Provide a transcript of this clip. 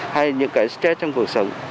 hay những cái stress trong cuộc sống